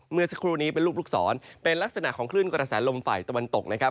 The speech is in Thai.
เมื่อสักครู่นี้เป็นลูกลูกศรเป็นลักษณะของคลื่นกระแสลมฝ่ายตะวันตกนะครับ